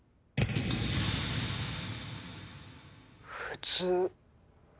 普通。